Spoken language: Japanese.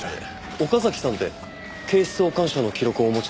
岡崎さんって警視総監賞の記録をお持ちの？